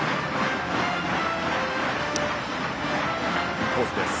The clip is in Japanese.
インコースです。